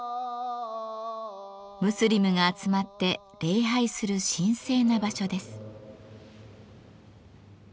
ムスリムが集まって礼拝する神聖な場所です。